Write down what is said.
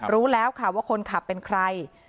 รู้แล้วค่ะว่าคนขับเป็นใคร